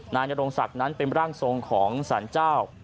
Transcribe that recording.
นายนรงศักดิ์นั้นเป็นร่างทรงของสารเจ้า